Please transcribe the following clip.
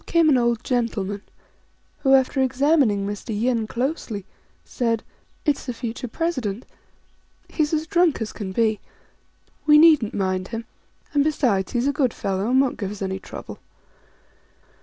28 STRANGE STORIES an old gentleman, who, after examining Mr. Yin closely, said, " It's the future President : he's as drunk as can be. We needn't mind him ; besides, he's a good fellow, and won't give us any trouble."